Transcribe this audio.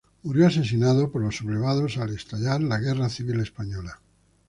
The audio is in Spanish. Murió asesinado por los sublevados al estallar la Guerra Civil Española.